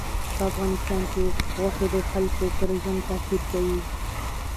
په افغانستان کې غوښې د خلکو پر ژوند تاثیر کوي.